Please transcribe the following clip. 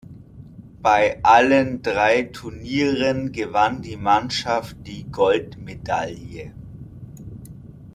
Bei allen drei Turnieren gewann die Mannschaft die Goldmedaille.